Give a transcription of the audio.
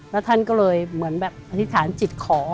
แล้วท่านก็เลยเหมือนแบบอธิษฐานจิตขอ